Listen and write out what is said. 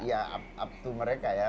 ya up to mereka ya